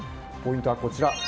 ポイントはこちら。